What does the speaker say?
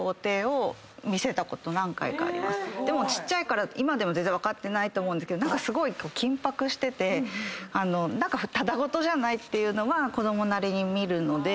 でもちっちゃいから今でも全然分かってないと思うんですけどすごい緊迫しててただごとじゃないっていうのは子供なりに見るので。